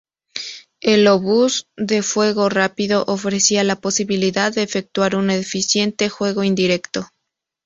El obús de fuego rápido ofrecía la posibilidad de efectuar un eficiente fuego indirecto.